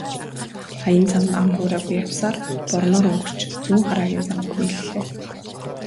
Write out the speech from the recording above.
Аян замд ам хуурайгүй явсаар Борнуур өнгөрч Зүүнхараагийн замд нийллээ.